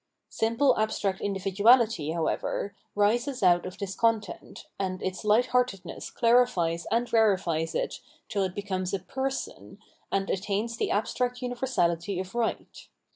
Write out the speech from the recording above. Simple abstract individuahty, however, rises out of this content, and its hghtheartedness clarifies and rarifies it till it becomes a " person " and attains the abstract universality of right.